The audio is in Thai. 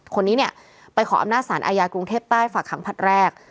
คนนี้เนี่ยไปขออำนาจสารอาญากรุงเทพใต้ฝากขังผลัดแรก